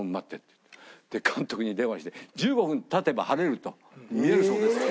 で監督に電話して「１５分経てば晴れる」と「見えるそうです」って。